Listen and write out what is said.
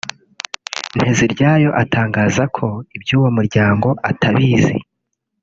Nteziryayo atangaza ko iby’uwo muryango atabizi